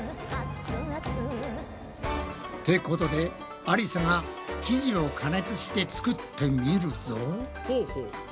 ってことでありさが生地を加熱して作ってみるぞ。